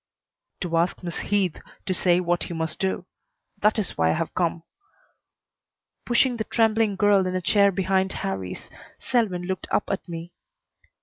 "To ask Miss Heath to say what he must do. That is why I have come." Pushing the trembling girl in a chair behind Harrie's, Selwyn looked up at me.